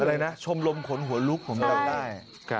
อะไรนะชมลมขนหัวลุกของเราได้ใช่